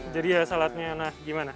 jadi ya saladnya nah gimana